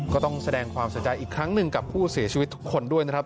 ก็ต้องแสดงความเสียใจอีกครั้งหนึ่งกับผู้เสียชีวิตทุกคนด้วยนะครับ